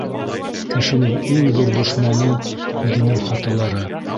Кешенең иң ҙур дошманы - үҙенең хаталары.